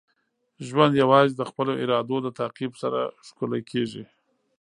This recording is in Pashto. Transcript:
ژوند یوازې د خپلو ارادو د تعقیب سره ښکلی کیږي.